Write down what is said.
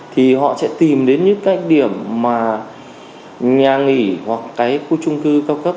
thì họ sẽ tìm đến những cái điểm mà nhà nghỉ hoặc cái khu trung cư cao cấp